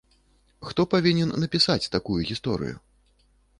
Хто павінен напісаць такую гісторыю?